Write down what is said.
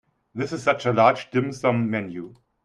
This is such a large dim sum menu.